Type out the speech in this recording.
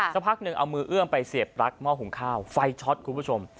สักพักหนึ่งเอามือเอื้อมไปเสียบปลั๊กหม้อหุงข้าวไฟช็อตคุณผู้ชม